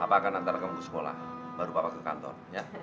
apa akan antara kamu ke sekolah baru bapak ke kantor